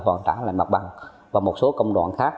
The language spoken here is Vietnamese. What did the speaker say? hoàn trả lại mặt bằng và một số công đoạn khác